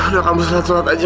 ya kamu salat salat aja